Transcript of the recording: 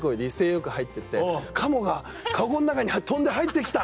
よく入ってって「カモがカゴん中に飛んで入って来た！」